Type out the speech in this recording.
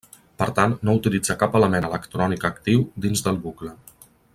Per tant, no utilitza cap element electrònic actiu dins del bucle.